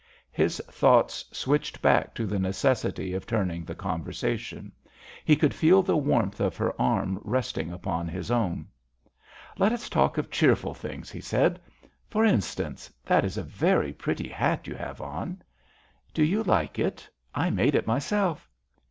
His thoughts switched back to the necessity of turning the conversation. He could feel the warmth of her arm resting upon his own. "Let us talk of cheerful things," he said. "For instance, that is a very pretty hat you have on." "Do you like it? I made it myself."